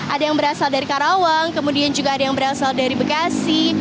ada yang berasal dari karawang kemudian juga ada yang berasal dari bekasi